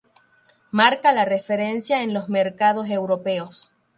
Marca la referencia en los mercados europeos.